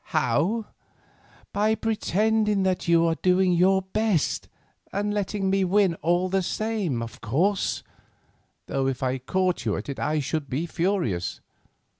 "How? By pretending that you were doing your best, and letting me win all the same, of course; though if I caught you at it I should be furious.